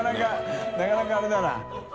なかなかあれだな。